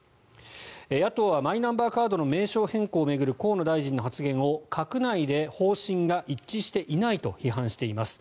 野党はマイナンバーカードの名称変更を巡る河野大臣の発言を閣内で方針が一致していないと批判しています。